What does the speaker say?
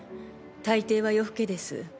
大抵は夜更けです。